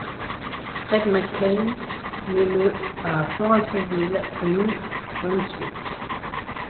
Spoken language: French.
Fred McCain naît le à Florenceville, au Nouveau-Brunswick.